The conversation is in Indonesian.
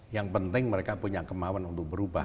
yang penting mereka punya kemauan untuk berubah